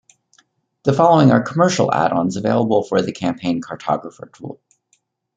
The following are commercial add-ons available for the Campaign Cartographer tool.